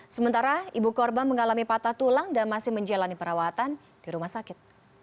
sementara ibu korban mengalami patah tulang dan masih menjalani perawatan di rumah sakit